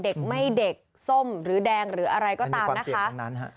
เด็กไม่เด็กส้มหรือแดงหรืออะไรก็ตามนะคะ